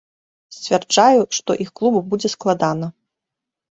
Сцвярджаю, што іх клубу будзе складана.